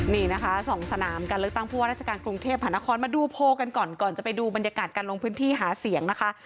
นี่นะคะสองสนามการเลือกตั้งผู้ว่าราชการกรุงเทพหานครมาดูโพลกันก่อนก่อนจะไปดูบรรยากาศการลงพื้นที่หาเสียงนะคะ